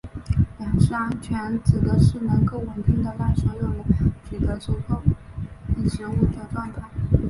粮食安全指的是能够稳定地让所有人取得足够食物的状态。